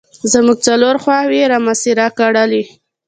زموږ څلور خواوې یې را محاصره کړلې.